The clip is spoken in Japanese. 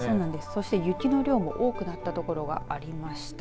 そして、雪の量も多くなった所がありました。